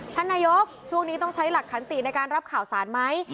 ท่านนายกช่วงนี้ต้องใช้หลักขันติในการรับข่าวสารไหม